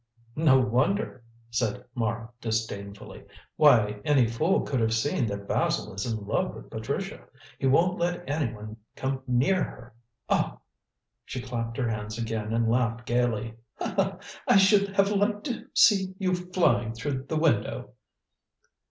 "No wonder!" said Mara disdainfully. "Why, any fool could have seen that Basil is in love with Patricia. He won't let anyone come near her. Oh!" she clapped her hands again and laughed gaily. "I should have liked to see you flying through the window."